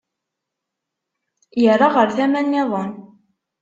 Yerra ɣer tama nniḍen.